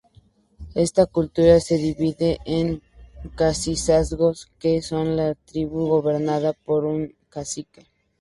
Esta cultura se divide en cacicazgos, que son las tribus gobernadas por un cacique.